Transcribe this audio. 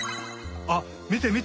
あっみてみて！